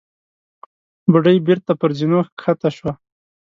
بوډۍ بېرته پر زينو کښته شوه.